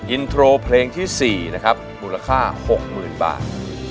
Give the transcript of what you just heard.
อินโทรเพลงที่๔นะครับมูลค่า๖๐๐๐บาท